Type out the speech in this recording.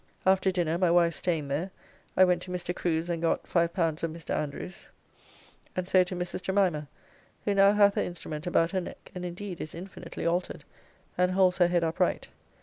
After dinner, my wife staying there, I went to Mr. Crew's, and got; L5 of Mr. Andrews, and so to Mrs. Jemimah, who now hath her instrument about her neck, and indeed is infinitely, altered, and holds her head upright.